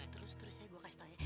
terus terus saya gue kasih tau ya